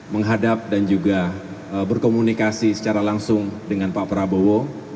menghadap dan juga berkomunikasi secara langsung dengan pak prabowo